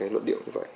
luật điệu như vậy